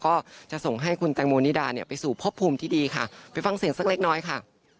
ก็จะส่งให้คุณแตงโมนิดาเนี่ยไปสู่พบภูมิที่ดีค่ะไปฟังเสียงสักเล็กน้อยค่ะ